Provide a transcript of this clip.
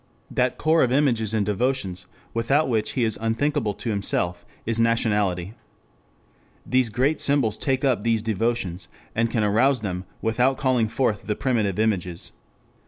That core of images and devotions without which he is unthinkable to himself, is nationality. The great symbols take up these devotions, and can arouse them without calling forth the primitive images.